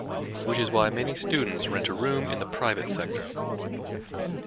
Which is why many students rent a room in the private sector.